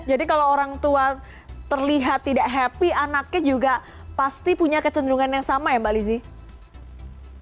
jadi kalau orang tua terlihat tidak happy anaknya juga pasti punya ketendungan yang sama ya mbak lizzie